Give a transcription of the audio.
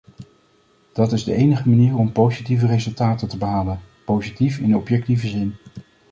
Dat is de enige manier om positieve resultaten te behalen, positief in objectieve zin.